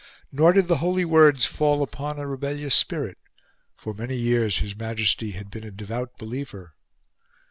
Nor did the holy words fall upon a rebellious spirit; for many years his Majesty had been a devout believer.